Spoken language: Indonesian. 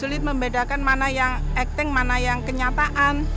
sulit membedakan mana yang acting mana yang kenyataan